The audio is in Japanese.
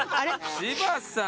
柴田さん。